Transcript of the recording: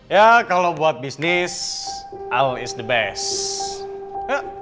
ya kalau buat bisnis al is the best